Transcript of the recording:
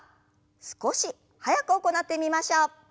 少し速く行ってみましょう。